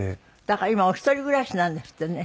だから今お一人暮らしなんですってね。